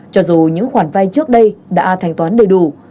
cho dù những khoản vai trước đây đã thành toán đầy đủ